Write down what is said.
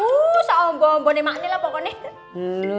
huuu soal bong bongnya maknanya lah pokoknya